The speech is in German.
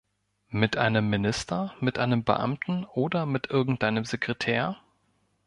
Mit einem Minister, mit einem Beamten oder mit irgendeinem Sekretär?